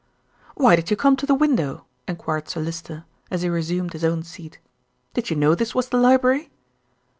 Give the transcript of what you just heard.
"Why did you come to the window?" enquired Sir Lyster, as he resumed his own seat. "Did you know this was the library?"